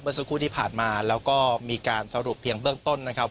สักครู่ที่ผ่านมาแล้วก็มีการสรุปเพียงเบื้องต้นนะครับ